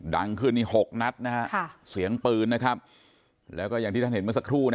ดังขึ้นอีก๖นัดนะฮะเสียงปืนนะครับแล้วก็อย่างที่ท่านเห็นเมื่อสักครู่นะ